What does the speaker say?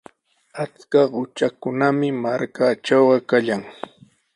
Achka qutrakunami markaatrawqa kallan.